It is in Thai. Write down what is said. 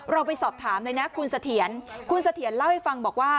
เราไปสอบถามเลยนะคุณเสถียรคุณเสถียรเล่าให้ฟังบอกว่า